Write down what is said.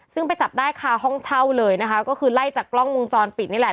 ซึ่งไปจับได้คาห้องเช่าเลยนะคะก็คือไล่จากกล้องวงจรปิดนี่แหละ